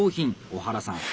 小原さん